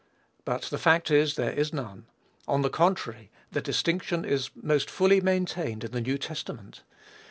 But the fact is, there is none; on the contrary, the distinction is most fully maintained in the New Testament.